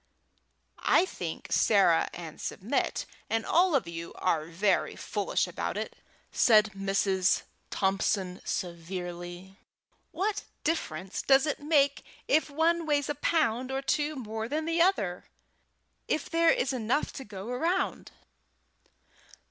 "I think Sarah and Submit and all of you are very foolish about it," said Mrs. Thompson severely. "What difference does it make if one weighs a pound or two more than the other, if there is enough to go round?"